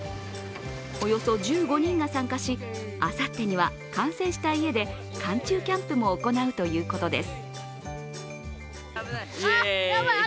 およそ１５人が参加しあさってには完成した家で寒中キャンプも行うということです。